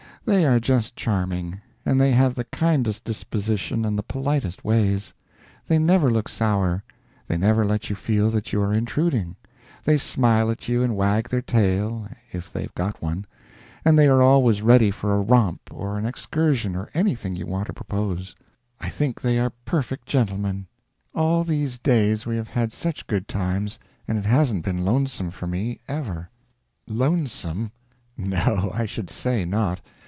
They are just charming, and they have the kindest disposition and the politest ways; they never look sour, they never let you feel that you are intruding, they smile at you and wag their tail, if they've got one, and they are always ready for a romp or an excursion or anything you want to propose. I think they are perfect gentlemen. All these days we have had such good times, and it hasn't been lonesome for me, ever. Lonesome! No, I should say not.